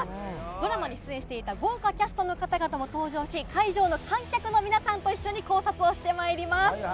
ドラマに出演していた豪華キャストの方々も登場し、会場の観客の皆さんと一緒に考察をしてまいります。